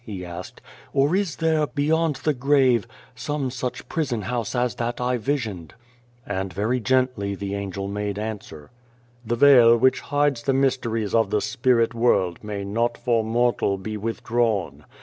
he asked, "or is there, beyond the grave, some such prison house as that I visioned ?" And very gently the Angel made answer :" The veil which hides the mysteries of the spirit world may not for mortal be with drawn.